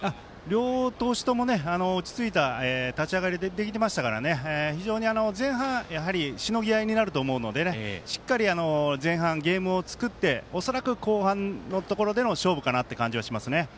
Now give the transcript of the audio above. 両投手ともいい立ち上がりできてましたから非常に前半しのぎ合いになると思うのでしっかり前半ゲームを作って恐らく後半での勝負かなという感じがしますね。